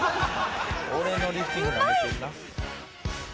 「俺のリフティングなめてるな」